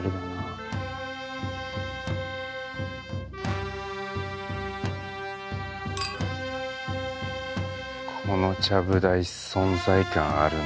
ここのちゃぶ台存在感あるなぁ。